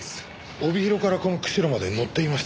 帯広からこの釧路まで乗っていましたか？